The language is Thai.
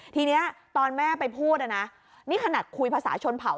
ทีนี้ตอนแม่ไปพูดนะนี่ขนาดคุยภาษาชนเผา